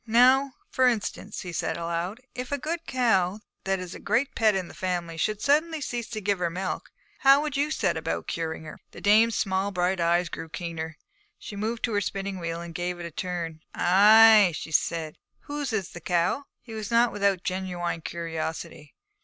'Now, for instance,' he said aloud, 'if a good cow, that is a great pet in the family, should suddenly cease to give her milk, how would you set about curing her?' The dame's small bright eyes grew keener. She moved to her spinning wheel and gave it a turn. 'Ay,' she said, 'and whose is the cow?' He was not without a genuine curiosity.